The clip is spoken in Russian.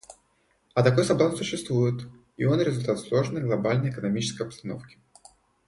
А такой соблазн существует, и он результат сложной глобальной экономической обстановки.